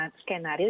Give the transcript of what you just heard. orang yang bergurau